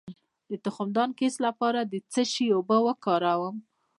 د تخمدان د کیست لپاره د څه شي اوبه وکاروم؟